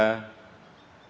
dan di jokowi